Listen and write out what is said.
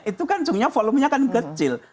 itu kan volume nya kan kecil